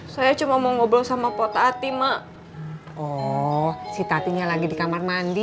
saya cuma mau ngobrol sama pot tati mak si tatinya lagi di kamar mandi